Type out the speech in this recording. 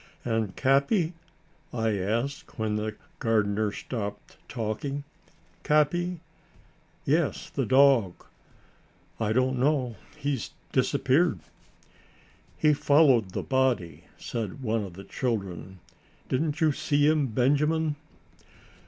"And Capi?" I asked, when the gardener stopped talking. "Capi?" "Yes, the dog." "I don't know, he's disappeared." "He followed the body," said one of the children. "Didn't you see him, Benjamin?"